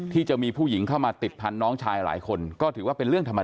ที่มีผู้หญิงเข้ามาติดพันน้องชายหลายคนก็ถือว่าเป็นเรื่องธรรมดา